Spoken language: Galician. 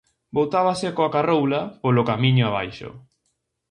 Botábanse coa carroula polo camiño abaixo.